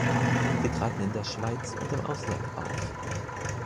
Sie traten in der Schweiz und im Ausland auf.